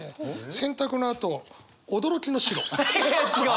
洗濯のあと驚きの白！！